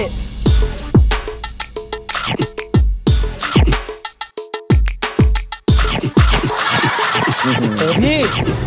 เออพี่